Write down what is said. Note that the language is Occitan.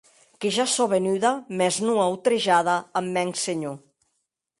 Que ja sò venuda, mès non autrejada ath mèn senhor.